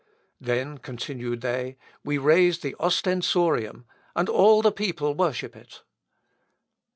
Then, continued they, we raise the ostensorium, and all the people worship it.